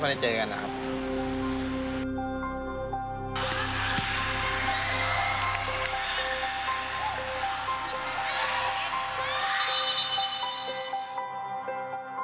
ก็เป็นความสำเร็จหน่อยนะครับผมว่าพอดีว่าจับพัดจับหูก็มาเป็นประสบความสำเร็จนะครับ